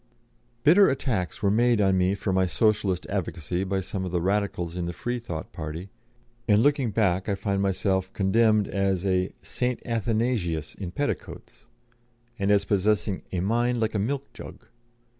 Bitter attacks were made on me for my Socialist advocacy by some of the Radicals in the Freethought party, and looking back I find myself condemned as a "Saint Athanasius in petticoats," and as possessing a "mind like a milk jug."